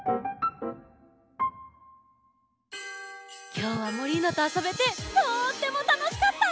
きょうはモリーノとあそべてとってもたのしかった！